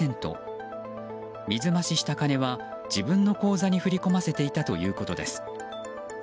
水増しした金は、自分の口座に振り込ませていたということです。